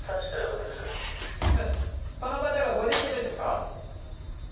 えっその方がご自身でですか？